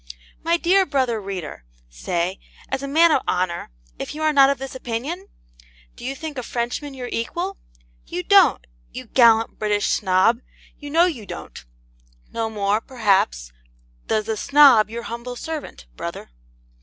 My dear brother reader, say, as a man of honour, if you are not of this opinion? Do you think a Frenchman your equal? You don't you gallant British Snob you know you don't: no more, perhaps, does the Snob your humble servant, brother.